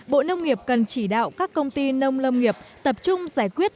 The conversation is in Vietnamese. bộ nông nghiệp cần chỉ đạo các công ty nông lâm nghiệp tập trung giải quyết